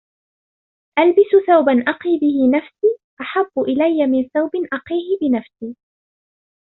أَلْبَسُ ثَوْبًا أَقِي بِهِ نَفْسِي أَحَبُّ إلَيَّ مِنْ ثَوْبٍ أَقِيهِ بِنَفْسِي